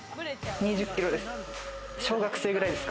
２０キロです。